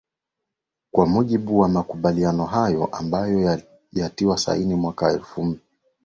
kwa mjibu wa makumbaliano hayo ambayo yatiwa saini mwaka wa elfu mbili